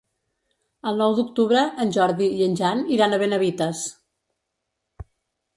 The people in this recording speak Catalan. El nou d'octubre en Jordi i en Jan iran a Benavites.